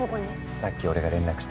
さっき俺が連絡した。